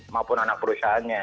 maupun anak perusahaannya